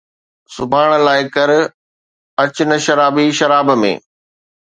سڀاڻي لاءِ ڪر، اڄ نه شرابي شراب ۾